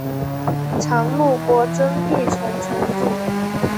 常陆国真壁城城主。